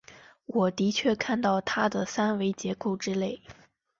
我的确看到它的三维结构之类。